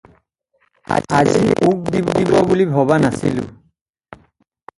আজিয়েই উক দিব বুলি ভবা নাছিলোঁ।